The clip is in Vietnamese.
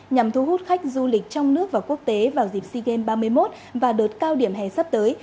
nhằm thu hút khách du lịch trong nước và quốc tế vào dịp sea games ba mươi một và đợt cao điểm hè sắp tới